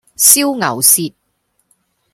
燒牛舌